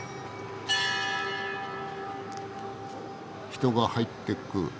人が入っていく。